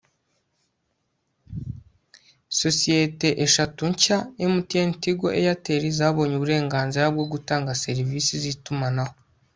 sosiyete eshatu nshya ( mtn , tigo, airtel ) zabonye uburenganzira bwo gutanga servisi z'itumanaho